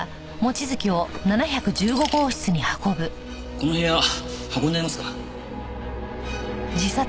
この部屋運んじゃいますか。